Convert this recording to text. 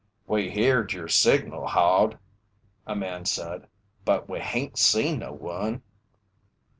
"We heerd yer signal, Hod," a man said, "but we hain't seen no one."